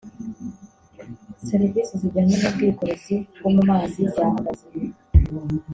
serivisi zijyanye n’ ubwikorezi bwo mu mazi zahagaze